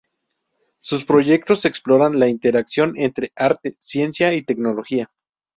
Sus proyectos exploran la interacción entre arte, ciencia y tecnología.